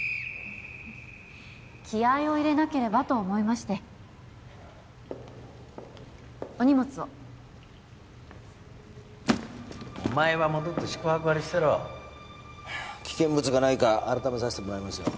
気合いを入れなければと思いましてお荷物をお前は戻って宿泊割りしてろ危険物がないか改めさしてもらいますよ